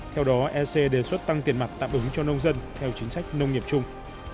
theo đó ec đề xuất tăng tiền mặt tạm ứng cho nông dân theo chính sách nông nghiệp chung